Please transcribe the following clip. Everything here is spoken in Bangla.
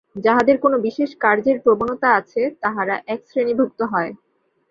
যাহাদের কোন বিশেষ কার্যের প্রবণতা আছে, তাহারা একশ্রেণীভুক্ত হয়।